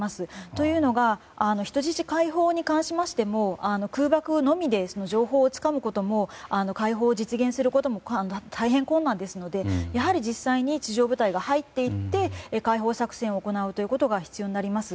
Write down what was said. というのが、人質解放に関しても空爆のみで情報をつかむことも解放を実現することも大変、困難ですのでやはり実際に地上部隊が入っていって解放作戦を行うことが必要になります。